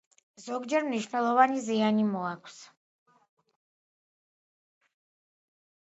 ზოგჯერ მნიშვნელოვანი ზიანი მოაქვს.